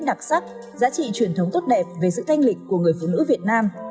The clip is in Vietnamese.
giá trị truyền thống tốt đẹp về sự thanh lịch của người phụ nữ việt nam